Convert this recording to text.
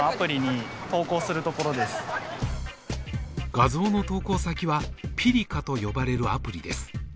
画像の投稿先は、ピリカと呼ばれるアプリです。